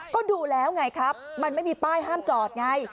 ก็ดูแล้วไงครับมันไม่มีป้ายห้ามจอดไง